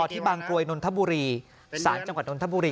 ที่บางกรวยนนทบุรีศาลจังหวัดนทบุรี